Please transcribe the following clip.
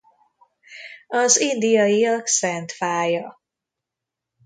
Az indiaiak szent fája.